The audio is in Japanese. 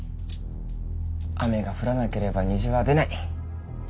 「雨が降らなければ虹は出ない」。